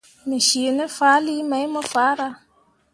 Me cii ne fahlii mai mo farah.